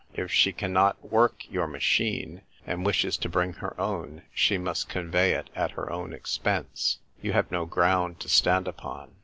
If she cannot work your machine, and wishes to bring her own, she must convey it at her own expense. You have no ground to stand upon."